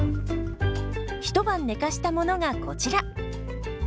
一晩寝かしたものがこちら。